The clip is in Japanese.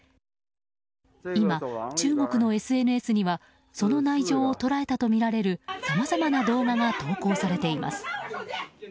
今、中国のＳＮＳにはその内情を捉えたとみられるさまざまな動画が投稿されています。